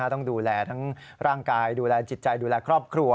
ต้องดูแลทั้งร่างกายดูแลจิตใจดูแลครอบครัว